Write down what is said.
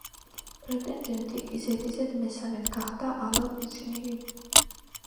პრეტენდენტი კი ზედიზედ მესამედ გახდა ალა კუშნირი.